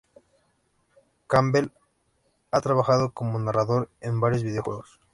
Campbell ha trabajado como narrador en varios videojuegos.